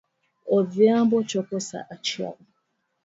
Odhiambo chopo saa achiel .